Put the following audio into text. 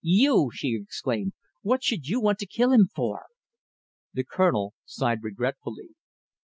"You!" she exclaimed. "What should you want to kill him for?" The Colonel sighed regretfully.